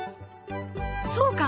そうか。